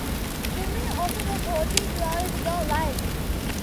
Finlay also wrote poetry throughout his adult life.